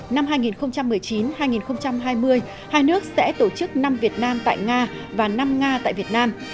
năm hai nghìn một mươi chín hai nghìn hai mươi hai nước sẽ tổ chức năm việt nam tại nga và năm nga tại việt nam